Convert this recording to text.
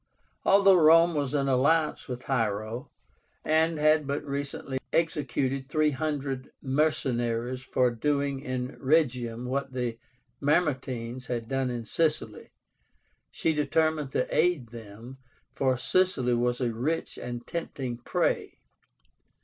Although Rome was in alliance with Hiero, and had but recently executed 300 mercenaries for doing in Rhegium what the Mamertines had done in Sicily, she determined to aid them, for Sicily was a rich and tempting prey.